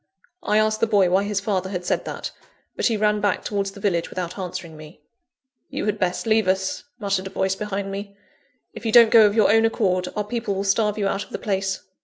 I asked the boy why his father had said that; but he ran back towards the village without answering me. "You had best leave us," muttered a voice behind me. "If you don't go of your own accord, our people will starve you out of the place."